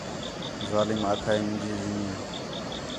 ظالم آکھا ہے مینجی زمین